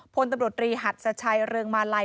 พลตำรวจรีหัดสชัยเรืองมาลัย